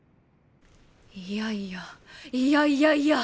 いやいやいやいやいや！